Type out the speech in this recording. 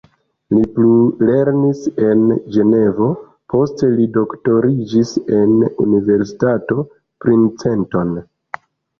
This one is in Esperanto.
Li plulernis en Ĝenevo, poste li doktoriĝis en Universitato Princeton.